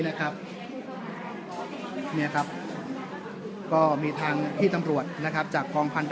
เนี่ยครับก็มีทางพี่ตำรวจนะครับจากกองพันธ